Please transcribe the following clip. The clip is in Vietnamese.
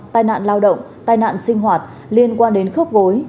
tai nạn lao động tai nạn sinh hoạt liên quan đến khớp gối